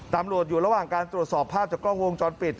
ตำรวจอยู่ระหว่างการตรวจสอบภาพจากกล้องวงจรปิด